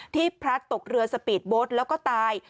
ที่พระตกเรือสปีดบสแล้วก็ตาย